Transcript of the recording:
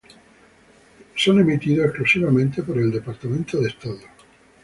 Son emitidos exclusivamente por el Departamento de Estado.